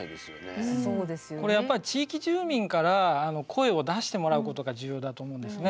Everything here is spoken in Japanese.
これやっぱ地域住民から声を出してもらうことが重要だと思うんですね。